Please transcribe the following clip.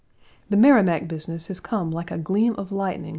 The Merrimac 4 business has come like a gleam of lightning 1.